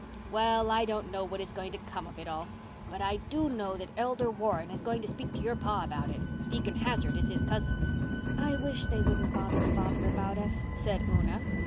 Well, I don't know what is going to come of it all, but I do know that Elder Warren is going to speak to your pa about it. Deacon Hazard is his cousin." "I wish they wouldn't bother father about us," said Una.